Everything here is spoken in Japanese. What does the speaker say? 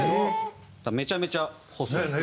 めちゃめちゃ細いです。